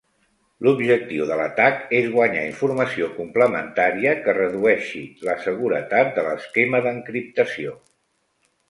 L'objectiu de l'atac és guanyar informació complementària que redueixi la seguretat de l'esquema d'encriptació.